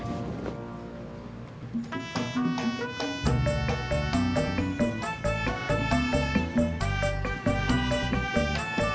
ntar tuh pi